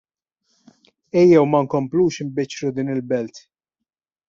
Ejjew ma nkomplux inbiċċru din il-Belt.